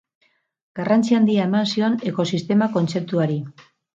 Garrantzi handia eman zion ekosistema kontzeptuari.